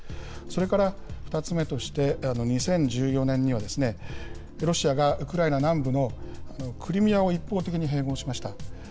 それから２つ目として、２０１４年には、ロシアがウクライナ南部のクリミアを一方的に併合しました。